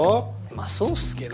まあそうっすけど。